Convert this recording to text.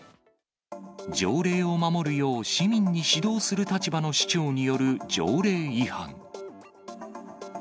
条例を守るよう、市民に指導する立場の市長による条例違反。